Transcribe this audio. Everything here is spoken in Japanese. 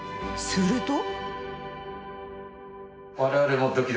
すると。